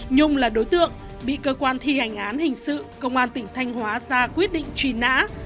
nhung là đối tượng bị cơ quan thi hành án hình sự công an tỉnh thanh hóa ra quyết định truy nã